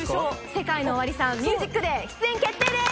ＳＥＫＡＩＮＯＯＷＡＲＩさん『ＭＵＳＩＣＤＡＹ』出演決定です。